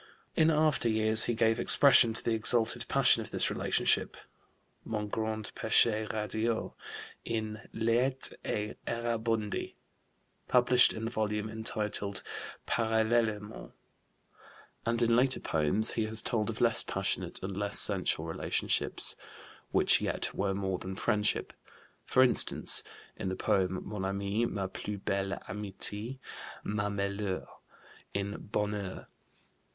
In after years he gave expression to the exalted passion of this relationship mon grand péché radieux in Læti et Errabundi, published in the volume entitled Parallèlement; and in later poems he has told of less passionate and less sensual relationships which yet were more than friendship, for instance, in the poem, "Mon ami, ma plus belle amitié, ma Meilleure" in Bonheur.